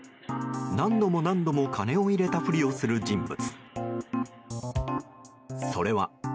何度も何度も金を入れたふりをする人物。